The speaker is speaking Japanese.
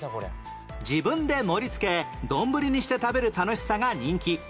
自分で盛り付け丼にして食べる楽しさが人気